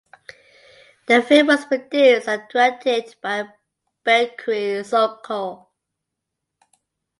The film was produced and directed by Bakary Sonko.